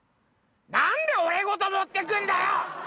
何で俺ごと持ってくんだよ！